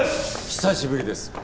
久しぶりです